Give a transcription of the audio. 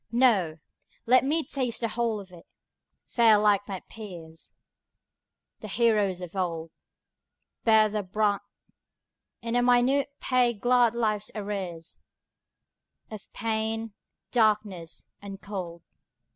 No! let me taste the whole of it, fare like my peers The heroes of old, Bear the brunt, in a minute pay glad life's arrears Of pain, darkness, and cold.